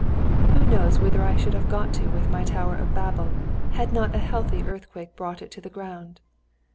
"] Who knows whither I should have got to with my tower of Babel, had not a healthy earthquake brought it to the ground?